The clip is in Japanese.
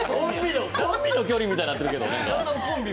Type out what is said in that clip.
コンビの距離みたいになってるけど。